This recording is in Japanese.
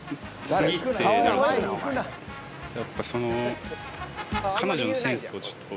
やっぱその。